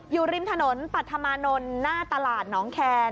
อยู่ริมถนนปัจธมานลหน้าตลาดหนองแคน